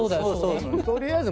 取りあえず。